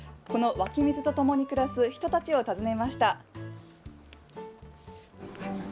この湧き水とともに暮らす人たちを訪ねました。